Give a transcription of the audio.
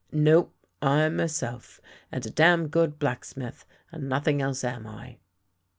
No. I'm myself, and a damn good blacksmith, and nothing else am I."